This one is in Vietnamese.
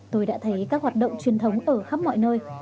tôi đã thấy các hoạt động truyền thống ở khắp mọi nơi